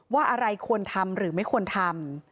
ว่าอะไรควรทำหรือไม่ควรทำ